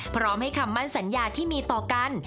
พร้อมให้คำมั่นสัญญาที่มีต่อกัน